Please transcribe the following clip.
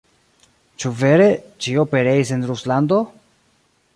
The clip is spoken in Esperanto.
Ĉu vere, ĉio pereis en Ruslando?